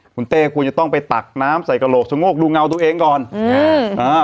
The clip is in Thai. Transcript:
คุณเต้ควรจะต้องไปตักน้ำใส่กระโหลกชะโงกดูเงาตัวเองก่อนอืมอ่า